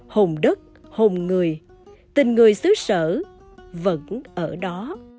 hồn đất hồn người tình người xứ sở vẫn ở đó